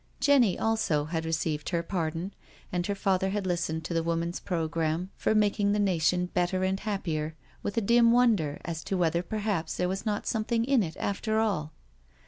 Jenny, also, had received her pardon, and her father had listened to the Woman's programme for " making the nation better and happier " with a dim wonder as to whether perhaps there was not something in it aftef all.